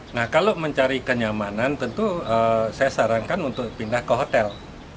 nah kalau mencari kenyamanan tentu saya sarankan untuk pindah ke hotel